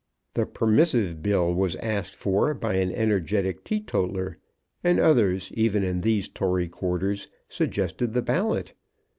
The Permissive Bill was asked for by an energetic teetotaller; and others, even in these Tory quarters, suggested the ballot.